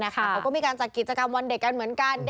เขาก็มีการจัดกิจกรรมวันเด็กกันเหมือนกัน